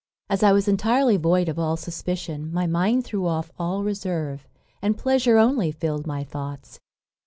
As I was entirely void of all suspicion, my mind threw off all reserve, and pleasure only filled my thoughts.